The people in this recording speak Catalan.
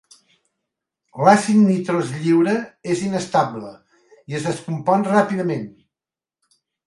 L'àcid nitrós lliure és inestable i es descompon ràpidament.